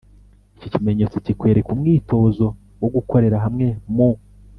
iki kimenyetso kikwereka umwitozo wo gukorera hamwe mu